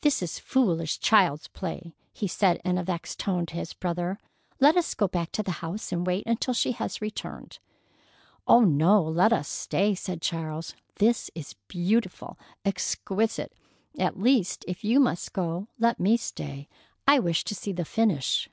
"This is foolish child's play!" he said in a vexed tone to his brother. "Let us go back to the house and wait until she has returned." "Oh, no, let us stay!" said Charles. "This is beautiful! Exquisite! At least, if you must go, let me stay. I wish to see the finish."